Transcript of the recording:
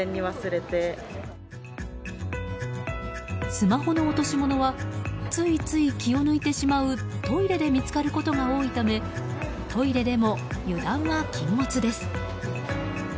スマホの落とし物はついつい気を抜いてしまうトイレで見つかることが多いためトイレでも油断は禁物です。